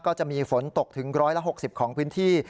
ก็จะมีฝนตกถึง๑๖๐ของพื้นที่